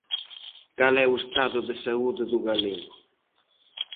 Cal é o estado de saúde do galego?